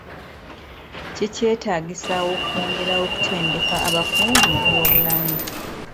Kikyetaagisa okwongera okutendeka abakugu mu by'obulamu.